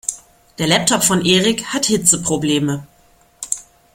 Der Laptop von Erik hat Hitzeprobleme.